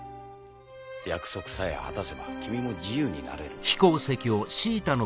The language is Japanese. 約束さえ果たせば君も自由になれる。